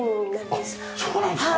あっそうなんですか？